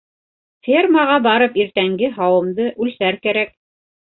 Фермаға барып иртәнге һауымды үлсәр кәрәк.